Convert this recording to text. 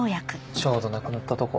ちょうどなくなったとこ。